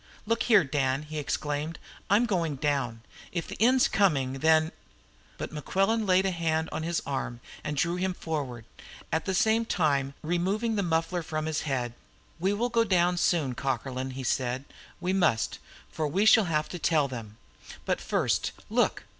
"Look here, Dan!" he exclaimed. "I'm going down! If the end's coming, then " But Mequillen laid a hand on his arm and drew him forward, at the same time removing the muffler from his head. "We will go down soon, Cockerlyne," he said. "We must, for we shall have to tell them. But first look!